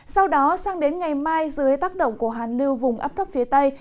sau đó sang đến ngày mai dưới tác động của hàn lưu vùng ấp thấp phía tây